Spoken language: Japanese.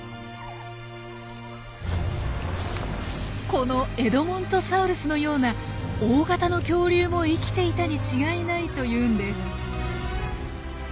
このエドモントサウルスのような大型の恐竜も生きていたに違いないというんです。